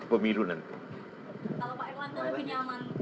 kalau pak irwana lebih nyaman ke yang mana pak irwana